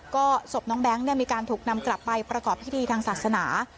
ก็ศพน้องแบงค์มีการถูกนำกลับไปประกอบพิธีทางศาสนา